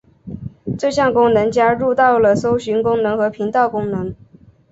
这项功能加入到了搜寻功能和频道功能。